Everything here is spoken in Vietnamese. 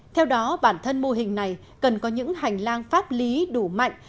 theo đó bản thân mô hình này cần có những hành lang pháp lý đủ mạnh